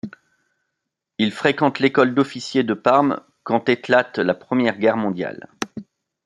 Il fréquente l’école d'officiers de Parme quand éclate la Première Guerre mondiale.